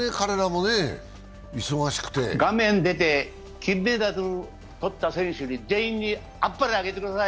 金メダル取った選手全員にあっぱれあげてください。